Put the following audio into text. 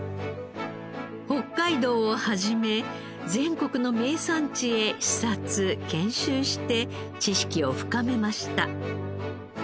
北海道をはじめ全国の名産地へ視察研修して知識を深めました。